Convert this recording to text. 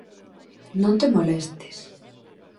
Non te molestes.